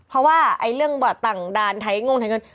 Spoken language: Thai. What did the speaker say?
เพราะว่าเรื่องต่างดาลไทยงงไทยเงิน